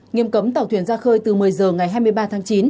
nghiêm cấm tàu thuyền ra khơi từ một mươi h ngày hai mươi ba tháng chín